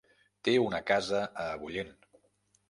Té una casa a Agullent.